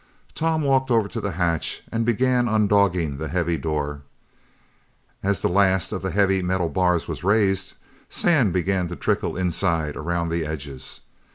Tom walked over to the hatch and began undogging the heavy door. As the last of the heavy metal bars were raised, sand began to trickle inside around the edges.